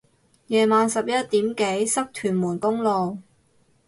夜晚十一點幾塞屯門公路